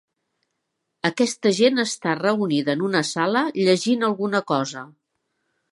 Aquesta gent està reunida en una sala llegint alguna cosa.